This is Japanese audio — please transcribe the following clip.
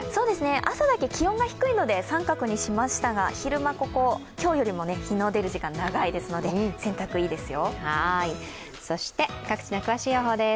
朝だけ気温が低いので△にしましたが、昼間、今日よりも日の出る時間が長いですので、洗濯、いいですよ。